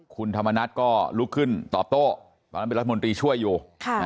คุณธรรมนัฐก็ลุกขึ้นตอบโต้ตอนนั้นเป็นรัฐมนตรีช่วยอยู่